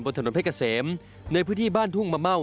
ถนนเพชรเกษมในพื้นที่บ้านทุ่งมะเม่า